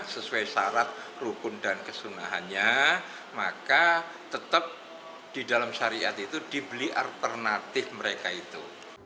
sesuai syarat rukun dan kesunnahannya maka tetap di dalam syariat itu dibeli alternatif mereka itu